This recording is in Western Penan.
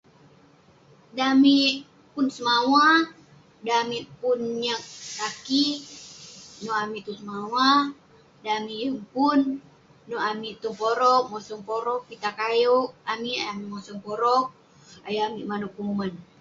Dan amik pun semawa, dan amik pun nyaq taki, neuk amik tong semawa, dan amik yeng pun, neuk amik tong poroq mosong poroq, pitah kayeuk amik ayuk amik mosong poroq. Ayuk amik maneuk penguman.